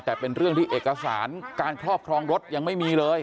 แต่เป็นเรื่องที่เอกสารการครอบครองรถยังไม่มีเลย